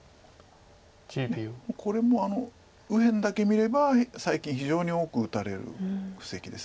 これも右辺だけ見れば最近非常に多く打たれる布石です。